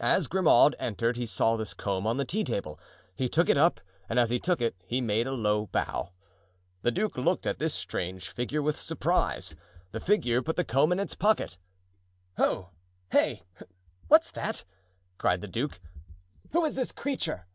As Grimaud entered he saw this comb on the tea table; he took it up, and as he took it he made a low bow. The duke looked at this strange figure with surprise. The figure put the comb in its pocket. "Ho! hey! what's that?" cried the duke. "Who is this creature?"